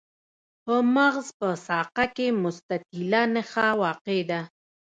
په مغز په ساقه کې مستطیله نخاع واقع ده.